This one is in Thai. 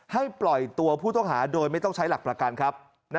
ให้ปล่อยตัวผู้ต้องหาโดยไม่ต้องใช้หลักประกันครับ